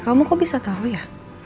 kamu kok bisa tahu ya